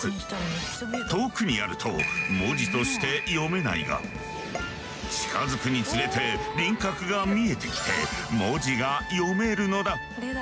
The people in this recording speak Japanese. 遠くにあると文字として読めないが近づくにつれて輪郭が見えてきて文字が読めるのだ。